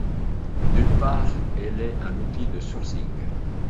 D'une part, elle est un outil de sourcing.